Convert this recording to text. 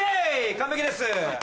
完璧です。